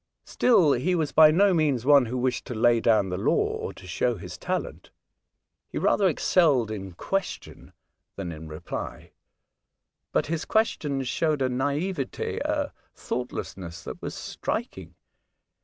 Still, he was by no means one who wished to lay down the law, or to show his talent. He rather excelled in question than in reply ; but his ques tions showed a naivete, a thoughtfulness, that was striking.